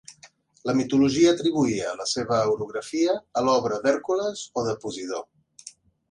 La mitologia atribuïa la seva orografia a l'obra d'Hèrcules o de Posidó.